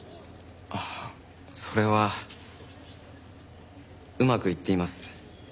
ああそれはうまくいっています。